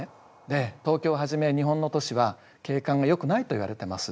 で東京をはじめ日本の都市は景観がよくないといわれてます。